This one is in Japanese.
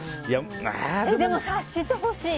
でも、察してほしい。